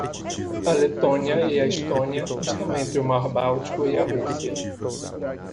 A Letônia e a Estônia estão entre o Mar Báltico e a Rússia.